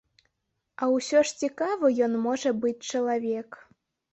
Але ўсё ж цікавы ён можа быць чалавек.